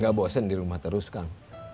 gak bosen di rumah terus kan